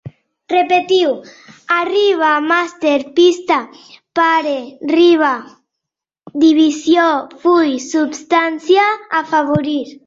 Repetiu: arribar, màster, pista, pare, riba, divisió, full, substància, afavorir